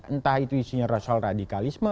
entah itu isinya rasul radikalisme